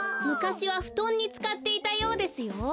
むかしはふとんにつかっていたようですよ。